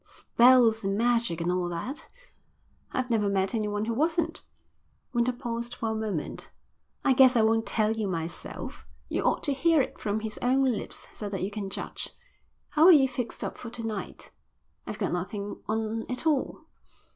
"Spells and magic and all that." "I've never met anyone who wasn't." Winter paused for a moment. "I guess I won't tell you myself. You ought to hear it from his own lips so that you can judge. How are you fixed up for to night?" "I've got nothing on at all."